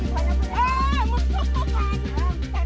เมื่อมึงถึงก็กันน่ะ